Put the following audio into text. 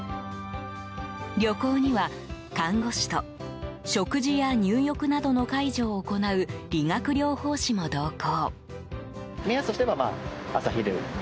旅行には、看護師と食事や入浴などの介助を行う理学療法士も同行。